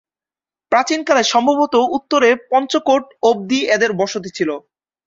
প্রাচীনকালে সম্ভবত উত্তরে পঞ্চকোট অবধি এদের বসতি ছিল।